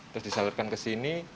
terus disalurkan ke sini